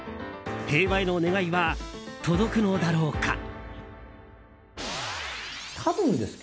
平和への願いは届くのだろうか。